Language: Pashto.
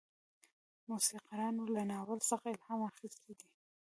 موسیقارانو له ناول څخه الهام اخیستی دی.